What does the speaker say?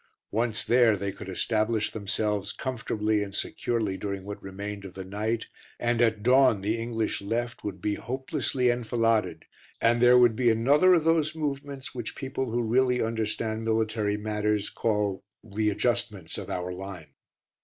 Once there they could establish themselves comfortably and securely during what remained of the night; and at dawn the English left would be hopelessly enfiladed and there would be another of those movements which people who really understand military matters call "readjustments of our line."